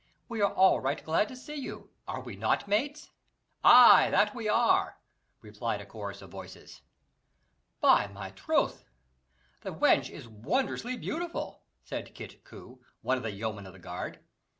We are all right glad to see you; are we not, mates?" "Ay, that we are!" replied a chorus of voices. "By my troth, the wench is wondrously beautiful!" said Kit Coo, one of the yeomen of the guard.